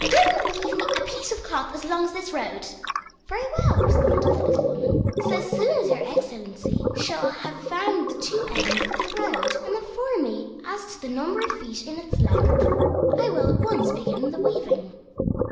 Go and weave me a piece of cloth as long as this road." "Very well," responded the little woman; "so soon as your Excellency shall have found the two ends of the road, and informed me as to the number of feet in its length, I will at once begin the weaving."